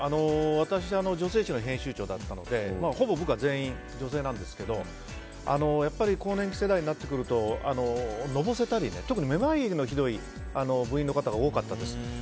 私、女性誌の編集長だったのでほぼ、全員女性なんですけどやっぱり、更年期世代になってくると、のぼせたり特にめまいがひどい部員の方が多かったです。